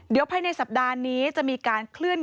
เดี๋ยวภายในสัปดาห์นี้จะมีการเคลื่อน